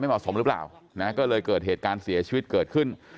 เหมาะสมหรือเปล่านะก็เลยเกิดเหตุการณ์เสียชีวิตเกิดขึ้น